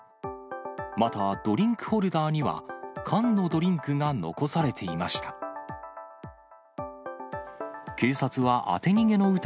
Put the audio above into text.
またドリンクホルダーには缶のドリンクが残されていました。